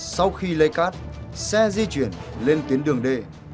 sau khi lấy cát xe di chuyển lên tuyến đường d